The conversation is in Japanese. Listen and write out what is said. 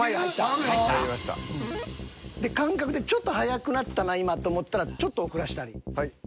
感覚でちょっと早くなったな今と思ったらちょっと遅らしたらいい。